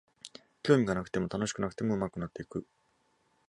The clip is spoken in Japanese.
興味がなくても楽しくなくても上手くなっていく